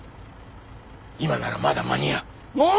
今ならまだ間に合う。